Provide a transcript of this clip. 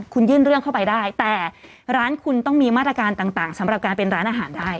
คุณยื่นเรื่องเข้าไปได้แต่ร้านคุณต้องมีมาตรการต่างสำหรับการเป็นร้านอาหารได้